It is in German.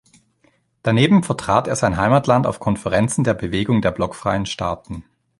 Daneben vertrat er sein Heimatland auf Konferenzen der Bewegung der blockfreien Staaten.